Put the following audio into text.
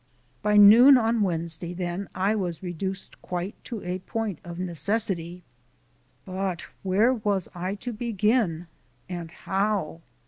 By noon on Wednesday, then, I was reduced quite to a point of necessity. But where was I to begin, and how?